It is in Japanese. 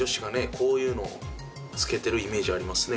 こういうのつけてるイメージありますね